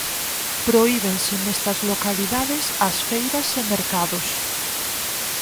Prohíbense nestas localidades as feiras e mercados.